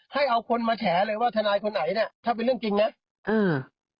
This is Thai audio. ให้เอาคนมาแฉเลยว่าทนายคนไหนน่ะถ้าเป็นเรื่องจริงนะอืม